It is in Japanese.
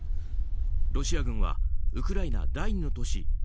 ロシア軍はウクライナ第２の都市